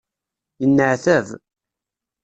Yenneɛtab.